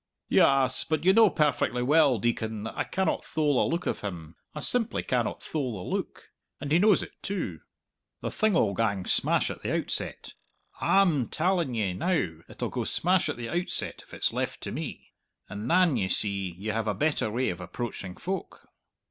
"Yass, but you know perfectly well, Deacon, that I cannot thole the look of him. I simply cannot thole the look. And he knows it too. The thing'll gang smash at the outset I'm talling ye, now it'll go smash at the outset if it's left to me. And than, ye see, you have a better way of approaching folk!"